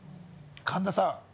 神田さん